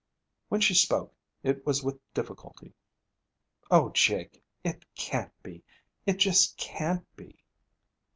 When she spoke, it was with difficulty. 'O Jake, it can't be. It just can't be.'